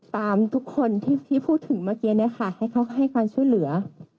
ตามทุกคนที่พูดถึงเมื่อกี้ให้เขาให้ความช่วยเหลือ